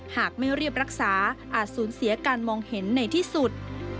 หากไม่เรียบรักษาอาจสูญเสียการมองเห็นในที่สุด